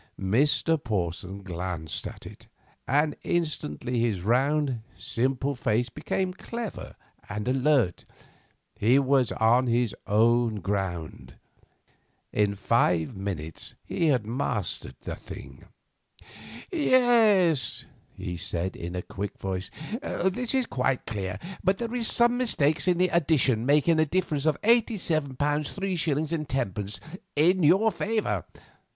Mr. Porson glanced at it, and instantly his round, simple face became clever and alert. Here he was on his own ground. In five minutes he had mastered the thing. "Yes," he said, in a quick voice, "this is quite clear, but there is some mistake in the addition making a difference of £87 3s. 10d. in your favour.